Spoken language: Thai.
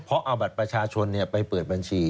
เพราะเอาบัตรประชาชนไปเปิดบัญชี